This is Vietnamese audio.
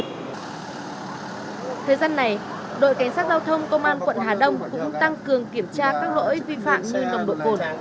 thời gian này đội cảnh sát giao thông công an quận hà đông cũng tăng cường kiểm tra các lỗi vi phạm như lòng đội vôn